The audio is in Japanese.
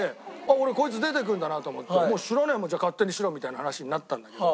俺こいつ出ていくんだなと思って「知らねえよ勝手にしろ」みたいな話になったんだけど。